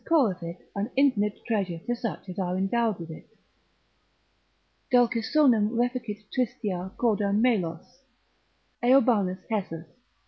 calleth it an infinite treasure to such as are endowed with it: Dulcisonum reficit tristia corda melos, Eobanus Hessus.